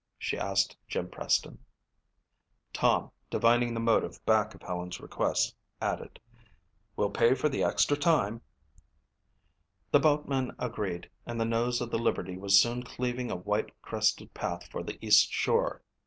she asked Jim Preston. Tom, divining the motive back of Helen's request, added, "We'll pay for the extra time." The boatman agreed and the nose of the Liberty was soon cleaving a white crested path for the east shore.